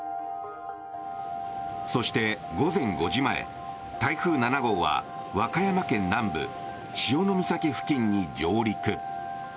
そして、午前５時前台風７号は和歌山県南部潮岬付近に上陸。